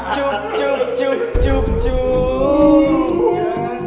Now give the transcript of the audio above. cuk cuk cuk cuk cuk